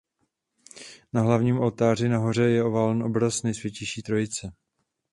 Na hlavním oltáři nahoře je oválný obraz Nejsvětější Trojice.